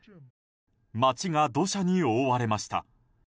街が土砂に覆われました。